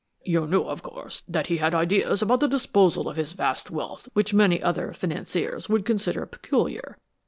"You knew, of course, that he had ideas about the disposal of his vast wealth which many other financiers would consider peculiar.